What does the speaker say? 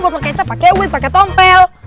gue kekecap pake wad pake tompel